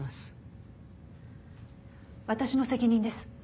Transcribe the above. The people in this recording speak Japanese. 私の責任です。